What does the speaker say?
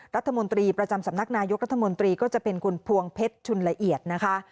รัฐมนตรีประจำสำนักนายกรัฐมนตรีก็จะเป็นคุณพวงเพชรชุนละเอียดนะคะ